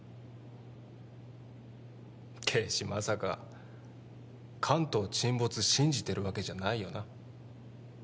啓示まさか関東沈没信じてるわけじゃないよな？